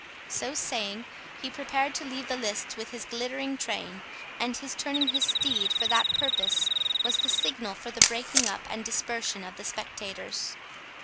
So saying, he prepared to leave the lists with his glittering train, and his turning his steed for that purpose, was the signal for the breaking up and dispersion of the spectators.